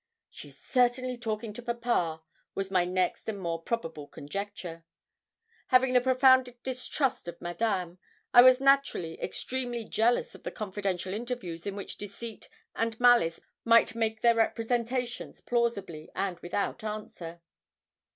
'She is certainly talking to papa,' was my next and more probable conjecture. Having the profoundest distrust of Madame, I was naturally extremely jealous of the confidential interviews in which deceit and malice might make their representations plausibly and without answer.